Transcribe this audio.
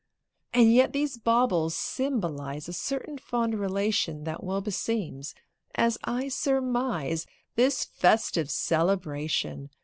And yet these baubles symbolize A certain fond relation That well beseems, as I surmise, This festive celebration.